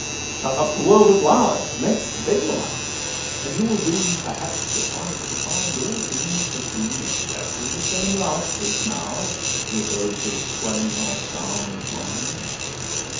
Shut up the world at large, let Bedlam out; And you will be perhaps surprised to find All things pursue exactly the same route, As now with those of soi disant sound mind.